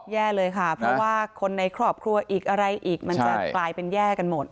แย่เลยค่ะเพราะว่าคนในครอบครัวอีกอะไรอีกมันจะกลายเป็นแย่กันหมด